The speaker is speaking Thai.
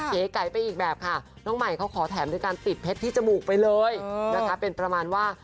เก๋ไก่ไปอีกแบบค่ะน้องใหม่เขาขอแถมด้วยการติดเพชรที่จมูกไปเลยนะคะเป็นประมาณว่า